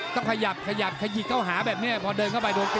ก็ขยับขยิกเข้าหาแบบนี้พอเดินเข้าไปโดนเตะ